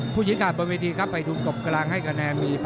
ผู้ชิ้นการบนวิธีครับไปทุนกบกำลังให้กระแนนมี